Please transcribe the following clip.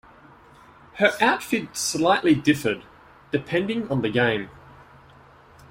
Her outfit slightly differed, depending on the game.